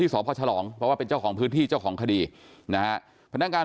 สพฉลองเพราะว่าเป็นเจ้าของพื้นที่เจ้าของคดีนะฮะพนักงาน